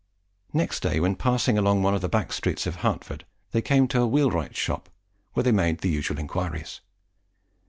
Next day, when passing along one of the back streets of Hertford, they came to a wheelwright's shop, where they made the usual enquiries.